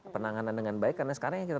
penanganan dengan baik karena sekarang yang kita